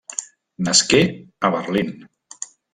Nasqué a Berlín.